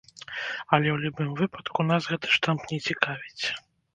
Але ў любым выпадку, нас гэты штамп не цікавіць.